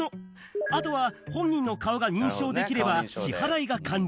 あとは本人の顔が認証できれば支払いが完了。